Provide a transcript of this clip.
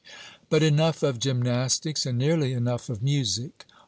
But enough of gymnastics, and nearly enough of music.